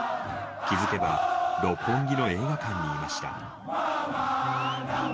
気付けば六本木の映画館にいました。